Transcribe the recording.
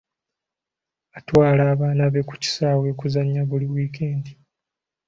Atwala abaana be ku kisaawe okuzannya buli wiikendi.